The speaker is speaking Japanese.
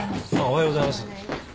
おはようございます。